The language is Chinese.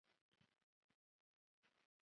全面强化不足的基础建设